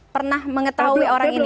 pernah mengetahui orang ini